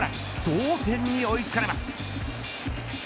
同点に追い付かれます。